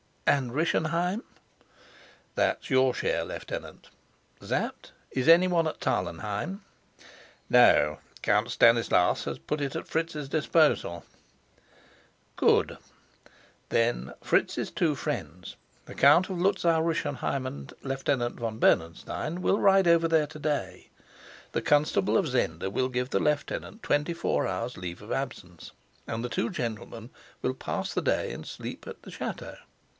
"And Rischenheim?" "That's your share, Lieutenant. Sapt, is any one at Tarlenheim?" "No. Count Stanislas has put it at Fritz's disposal." "Good; then Fritz's two friends, the Count of Luzau Rischenheim and Lieutenant von Bernenstein, will ride over there to day. The constable of Zenda will give the lieutenant twenty four hours' leave of absence, and the two gentlemen will pass the day and sleep at the chateau.